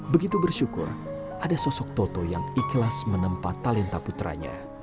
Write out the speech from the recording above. begitu bersyukur ada sosok toto yang ikhlas menempa talenta putranya